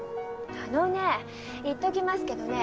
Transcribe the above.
あのね言っときますけどね